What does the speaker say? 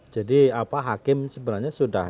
jadi hakim sebenarnya sudah